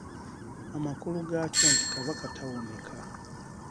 Amakulu gaakyo nti Kabaka tawoneka.